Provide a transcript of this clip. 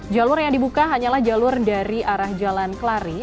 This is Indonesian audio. jalur yang dibuka hanyalah jalur dari arah jalan kelari